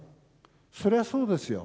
そりゃそうですよ。